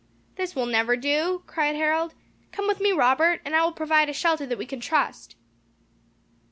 "This will never do," cried Harold. "Come with me, Robert, and I will provide a shelter that we can trust."